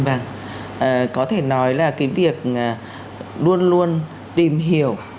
vâng có thể nói là cái việc luôn luôn tìm hiểu